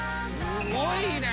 すごいね！